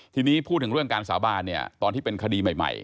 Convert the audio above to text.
ทีนี้พูดถึงเรื่องการสาบานเนี่ยตอนที่เป็นคดีใหม่